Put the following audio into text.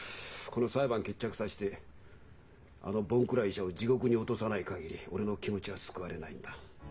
この裁判決着させてあのボンクラ医者を地獄に落とさない限り俺の気持ちは救われないんだ。